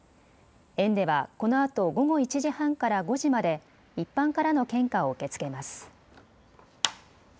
園ではこのあと午後１時半から５時まで一般からの献花を受け付けます。